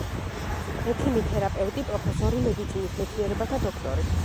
ექიმი-თერაპევტი, პროფესორი, მედიცინის მეცნიერებათა დოქტორი.